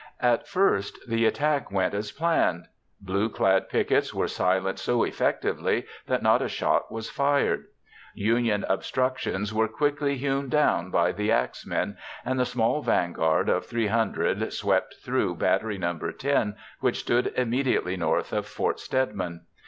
At first the attack went as planned. Blue clad pickets were silenced so effectively that not a shot was fired. Union obstructions were quickly hewn down by the axmen, and the small vanguard of 300 swept through Battery No. X which stood immediately north of Fort Stedman.